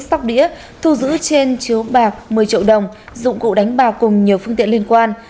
sóc đĩa thu giữ trên chiếu bạc một mươi triệu đồng dụng cụ đánh bạc cùng nhiều phương tiện liên quan